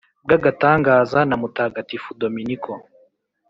bw’agatangaza na mutagatifu dominiko